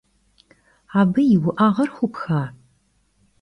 Abı yi vu'eğer xuupxa?